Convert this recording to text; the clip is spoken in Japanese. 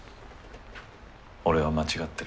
俺は間違ってる。